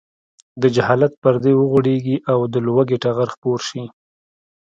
د جهالت پردې وغوړېږي او د لوږې ټغر خپور شي.